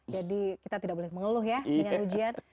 jadi kita tidak boleh mengeluh ya dengan ujian